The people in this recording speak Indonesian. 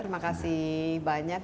terima kasih banyak